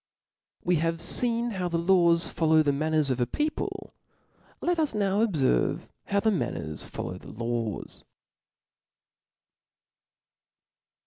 We have feen how the laws follow the manners of a people : let us now obierve how the man» ners follow the laws.